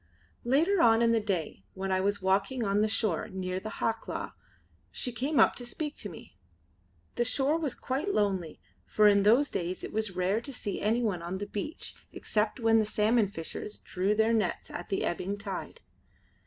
Later on in the day, when I was walking on the shore near the Hawklaw, she came up to speak to me. The shore was quite lonely, for in those days it was rare to see anyone on the beach except when the salmon fishers drew their nets at the ebbing tide.